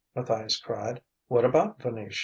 Matthias cried. "What about Venetia?"